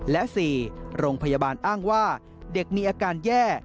และ๔โรงพยาบาลอ้างว่าเด็กมีอาการแย่